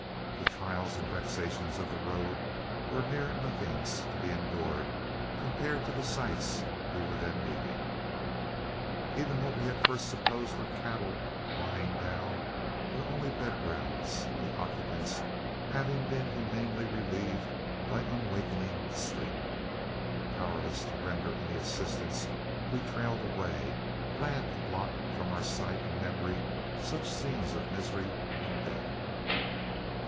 The trials and vexations of the road were mere nothings to be endured, compared to the sights we were then leaving. Even what we first supposed were cattle lying down, were only bed grounds, the occupants having been humanely relieved by unwaking sleep. Powerless to render any assistance, we trailed away, glad to blot from our sight and memory such scenes of misery and death.